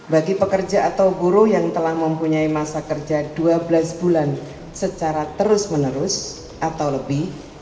bagi pekerja atau guru yang telah mempunyai masa kerja dua belas bulan secara terus menerus atau lebih